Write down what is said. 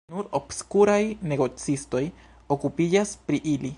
Nur obskuraj negocistoj okupiĝas pri ili.